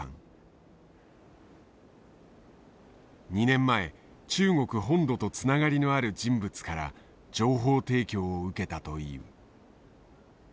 ２年前中国本土とつながりのある人物から情報提供を受けたという。